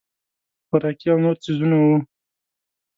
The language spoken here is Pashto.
خوراکي او نور څیزونه وو.